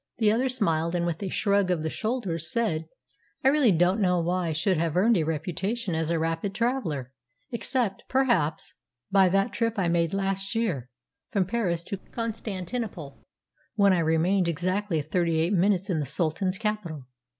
The other smiled, and, with a shrug of the shoulders, said, "I really don't know why I should have earned a reputation as a rapid traveller, except, perhaps, by that trip I made last year, from Paris to Constantinople, when I remained exactly thirty eight minutes in the Sultan's capital.